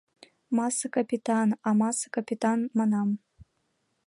— Масса капитан, а масса капитан манам!